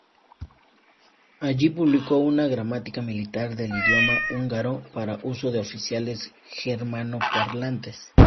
Allí publicó una "Gramática Militar del Idioma Húngaro" para uso de oficiales germanoparlantes.